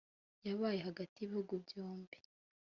yabaye hagati y’ibihugu byombi